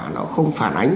nó không phản ánh